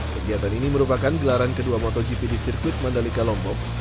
kegiatan ini merupakan gelaran kedua motogp di sirkuit mandalika lombok